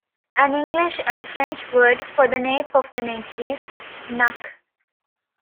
An English and French word for the nape of the neck is "nuque".